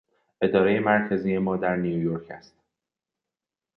ادارهی مرکزی ما در نیویورک است.